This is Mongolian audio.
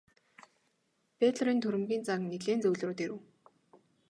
Бэйлорын түрэмгий зан нилээн зөөлрөөд ирэв.